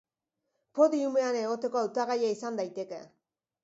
Podiumean egoteko hautagaia izan daiteke.